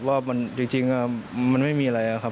ว่าจริงมันไม่มีอะไรครับ